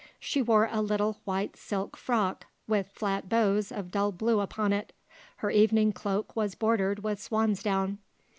She wore a little white silk frock with flat bows of dull blue upon it. Her evening cloak was bordered with swansdown.